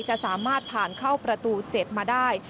จะสามารถผ่านเข้าประตู๗มาได้